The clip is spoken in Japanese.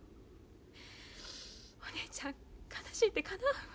お姉ちゃん悲しいてかなわんわ。